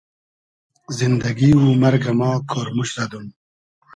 زیندئگی و مئرگۂ ما کۉرموشت زئدوم